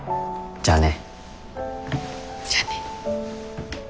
じゃあね。